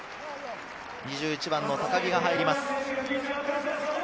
２１番の高城が入ります。